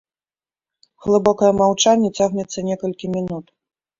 Глыбокае маўчанне цягнецца некалькі мінут.